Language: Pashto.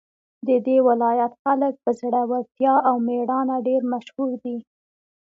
د دې ولایت خلک په زړورتیا او میړانه ډېر مشهور دي